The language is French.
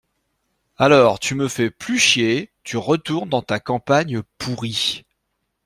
Alors tu me fais plus chier, tu retournes dans ta campagne pourrie